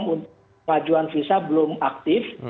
pengajuan visa belum aktif